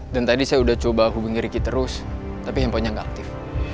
dan tadi saya udah coba hubungi riki terus tapi handphonenya nggak aktif